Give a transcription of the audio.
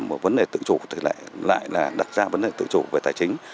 một vấn đề tự chủ thì lại là đặt ra vấn đề tự chủ về tài chính